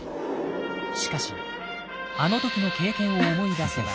しかしあの時の経験を思い出せば。